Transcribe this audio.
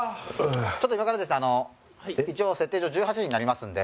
ちょっと今からですねあの。